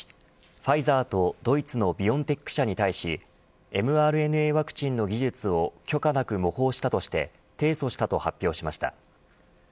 ファイザーとドイツのビオンテック社に対しｍＲＮＡワクチンの技術を許可なく模倣したとして提訴したと発表しました。